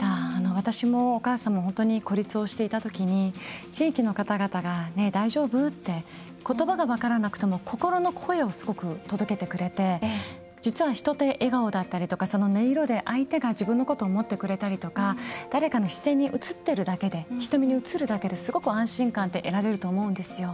私もお母さんも本当に孤立をしていたときに地域の方々が、大丈夫？ってことばが分からなくても心の声を届けてくれて実は人って笑顔だったり、その音色で相手が自分のことを思ってくれたりとか誰かの視線に映っているだけで瞳に映るだけですごく安心感って得られると思うんですよ。